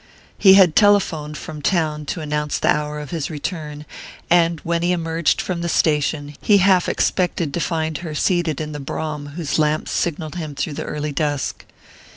He had telephoned from town to announce the hour of his return, and when he emerged from the station he half expected to find her seated in the brougham whose lamps signalled him through the early dusk.